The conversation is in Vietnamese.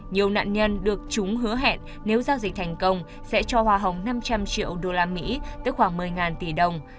nhiều nạn nhân được chúng hứa hẹn nếu giao dịch thành công sẽ cho hoa hồng năm trăm linh triệu usd tức khoảng một mươi tỷ đồng